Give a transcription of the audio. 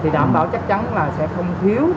đảm bảo chắc chắn là sẽ không thiếu